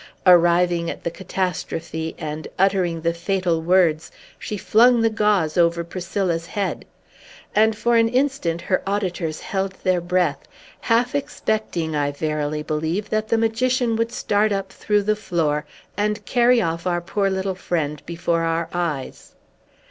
Arriving at the catastrophe, and uttering the fatal words, she flung the gauze over Priscilla's head; and for an instant her auditors held their breath, half expecting, I verily believe, that the magician would start up through the floor, and carry off our poor little friend before our eyes.